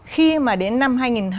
khi mà đến năm hai nghìn hai mươi năm